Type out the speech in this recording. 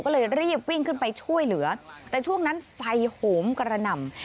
ก็เลยรีบวิ่งขึ้นไปช่วยเหลือแต่ช่วงนั้นไฟโหมกระหน่ำ